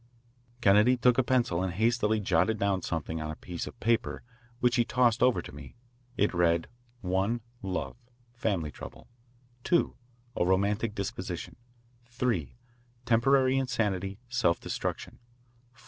Kennedy took a pencil and hastily jotted down something on a piece of paper which he tossed over to me. It read: 1.Love, family trouble. 2.A romantic disposition. 3.Temporary insanity, self destruction. 4.